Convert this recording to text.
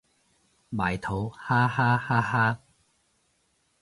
埋土哈哈哈哈